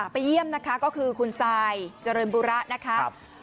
ไปเยี่ยมนะคะก็คือคุณซายเจริญบุระนะคะ